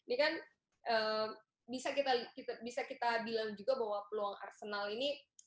ini kan bisa kita bilang juga bahwa peluang arsenal ini